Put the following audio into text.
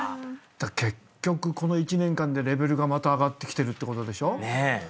結局この１年間でレベルがまた上がってきてるってことでしょ？